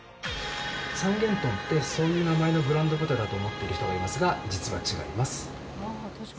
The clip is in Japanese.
三元豚ってそういう名前のブランド豚だと思ってる人がいますが実は違います。